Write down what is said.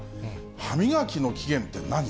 歯磨きの起源って何？